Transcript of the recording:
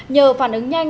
nhờ phản ứng nhanh